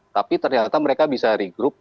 tapi ternyata mereka bisa regroup